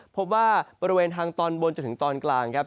พบว่าบริเวณทางตอนบนจนถึงตอนกลางครับ